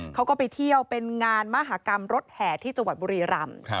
เขาก็ไปเที่ยวเป็นงานมหากรรมรถแห่ที่จังหวัดบุรีรำ